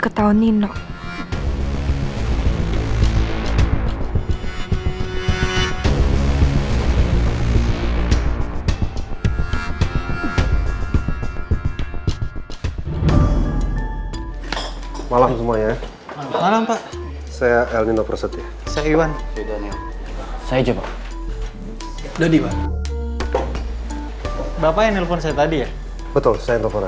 mama akan menerima